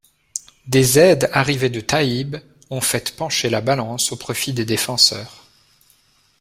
Des aides arrivées de Tayibe ont faites pencher la balance au profit des défenseurs.